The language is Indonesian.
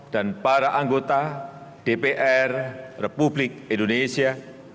dan para anggota dpr republik indonesia